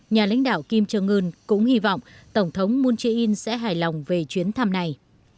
nhà lãnh đạo kim trương ươn cũng hy vọng tổng thống moon jae in sẽ hài lòng về chuyến thăm này